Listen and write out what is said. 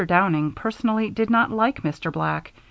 Downing, personally, did not like Mr. Black.